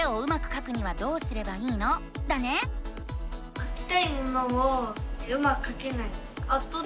かきたいものをうまくかけない。